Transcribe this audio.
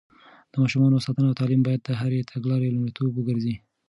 د ماشومانو ساتنه او تعليم بايد د هرې تګلارې لومړيتوب وګرځي.